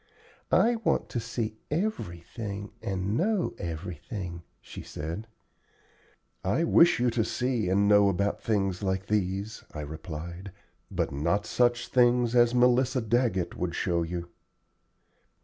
"I want to see everything and know everything," she said. "I wish you to see and know about things like these," I replied, "but not such things as Melissa Daggett would show you."